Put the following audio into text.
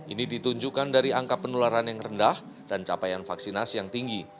ini ditunjukkan dari angka penularan yang rendah dan capaian vaksinasi yang tinggi